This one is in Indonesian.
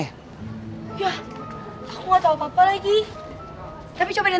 yah aku gak tau apa apa lagi